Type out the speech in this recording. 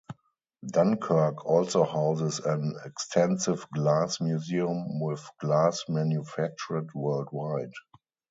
Dunkirk also houses an extensive Glass Museum with glass manufactured worldwide.